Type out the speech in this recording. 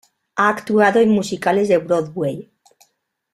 Ha actuado en musicales de Broadway.